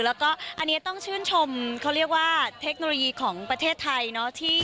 แล้วก็อันนี้ต้องชื่นชมเขาเรียกว่าเทคโนโลยีของประเทศไทยเนาะ